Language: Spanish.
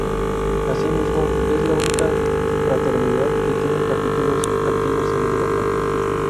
Así mismo, es la única fraternidad que tiene capítulos activos en Europa.